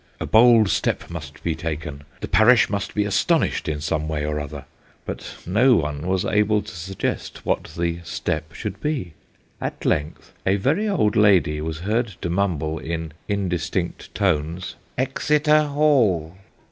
A bold step must be taken. The parish must be astonished in some way or other ; but no one was able to suggest what the step should be. At length, a very old lady was heard to mumble, in indistinct tones, " Exeter Hall."